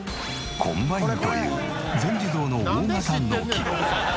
コンバインという全自動の大型農機。